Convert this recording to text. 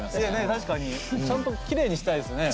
ちゃんときれいにしたいですね。